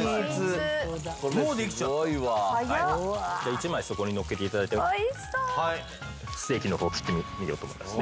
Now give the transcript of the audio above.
じゃあ１枚そこにのっけて頂いてステーキの方切ってみようと思いますね。